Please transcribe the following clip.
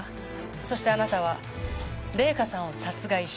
そしてあなたは礼香さんを殺害した。